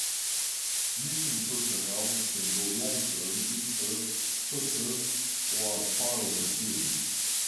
Mission personnel can go long-term, mid-term, short-term or as part of a team.